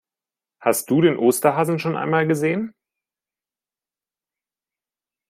Hast du den Osterhasen schon einmal gesehen?